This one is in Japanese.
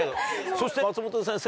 そして松本先生